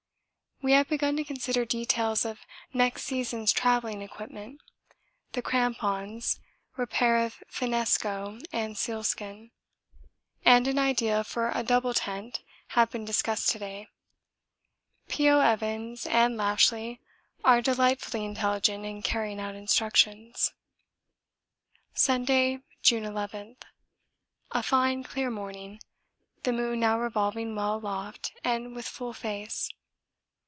We have begun to consider details of next season's travelling equipment. The crampons, repair of finnesko with sealskin, and an idea for a double tent have been discussed to day. P.O. Evans and Lashly are delightfully intelligent in carrying out instructions. Sunday, June 11. A fine clear morning, the moon now revolving well aloft and with full face.